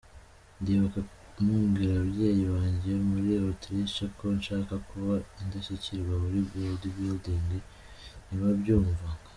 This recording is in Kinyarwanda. Ndibuka mbwira ababyeyi banjye muri Autriche ko nshaka kuba indashyikirwa muri bodybuilding, ntibabyumvaga.